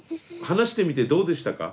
話してみてどうでしたか？